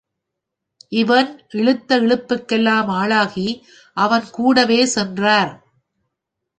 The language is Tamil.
அவன் இழுத்த இழுப்பிற்கெல்லாம் ஆளாகி அவன் கூடவே சென்றார்.